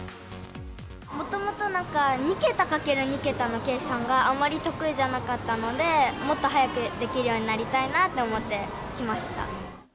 もともとなんか、２桁×２桁の計算があまり得意じゃなかったので、もっと早くできるようになりたいなって思って来ました。